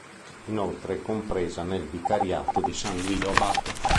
Inoltre, è compresa nel vicariato di San Guido Abate.